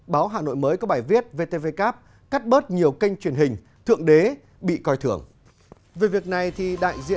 báo hà nội mới có bài viết vtvcap cắt bớt nhiều kênh truyền hình thượng đế bị coi thường